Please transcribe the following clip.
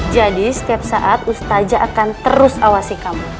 jadi setiap saat ustadzah akan terus awasi kamu